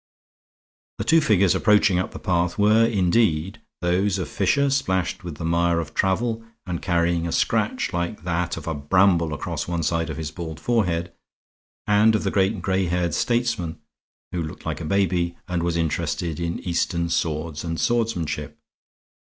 The two figures approaching up the path were indeed those of Fisher, splashed with the mire of travel and carrying a scratch like that of a bramble across one side of his bald forehead, and of the great and gray haired statesman who looked like a baby and was interested in Eastern swords and swordmanship.